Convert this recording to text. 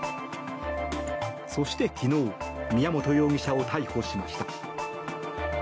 そして、昨日宮本容疑者を逮捕しました。